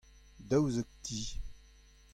daouzek ti.